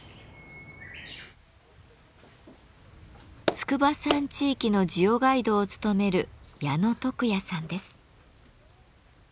筑波山地域のジオガイドを務める矢野徳也さんです。